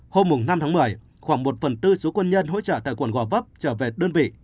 hôm năm tháng một mươi khoảng một phần tư số quân nhân hỗ trợ tại quận gò vấp trở về đơn vị